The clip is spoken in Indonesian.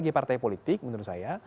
bagi partai politik menurut saya